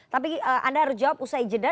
tapi anda harus jawab usai jeda